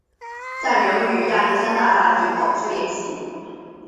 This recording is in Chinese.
但仍与亚历山大大帝保持联系。